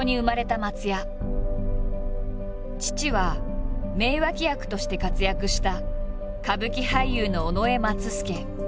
父は名脇役として活躍した歌舞伎俳優の尾上松助。